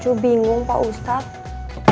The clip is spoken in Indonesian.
cucu bingung pak ustadz